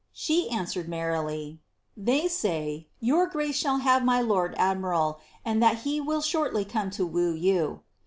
she aiiswered merrily, * They say, 'your grace shall have my lord admiral, and that he will shortly come to woo you.